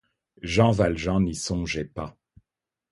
Jean Valjean n'y songeait pas.